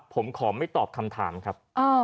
ผมขอไม่ตอบคำถามครับ